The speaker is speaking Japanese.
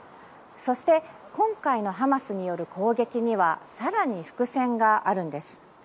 そして、今回のハマスによる攻撃には更に伏線があるんです。